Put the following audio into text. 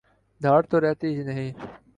دھاڑ تو رہتی ہی نہیں۔